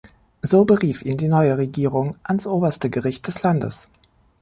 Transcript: So berief ihn die neue Regierung ans Oberste Gericht des Landes.